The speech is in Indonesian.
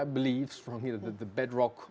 tidak saya tidak mengatakan itu tidak berfungsi